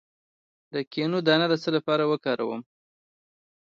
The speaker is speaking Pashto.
د کینو دانه د څه لپاره وکاروم؟